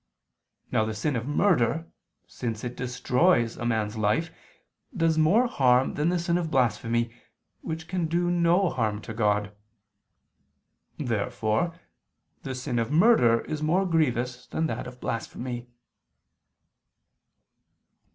Now the sin of murder, since it destroys a man's life, does more harm than the sin of blasphemy, which can do no harm to God. Therefore the sin of murder is more grievous than that of blasphemy.